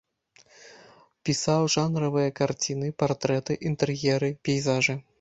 Пісаў жанравыя карціны, партрэты, інтэр'еры, пейзажы.